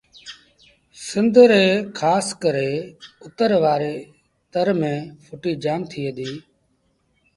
سنڌ ري کآس ڪري اُتر وآري تر ميݩ ڦُٽيٚ جآم ٿئي دي